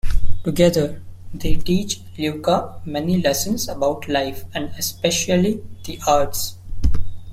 Together, they teach Luca many lessons about life and especially the arts.